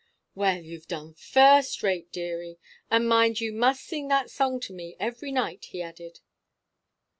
"Well, you've done first rate, deary; and mind, you must sing that song to me every night," he added.